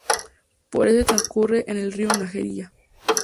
Por este transcurre en el río Najerilla.